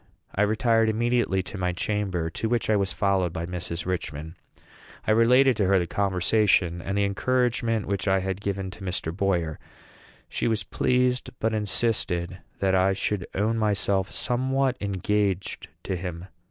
I retired immediately to my chamber, to which I was followed by Mrs. Richman. I related to her the conversation and the encouragement which I had given to Mr. Boyer. She was pleased, but insisted that I should own myself somewhat engaged to him.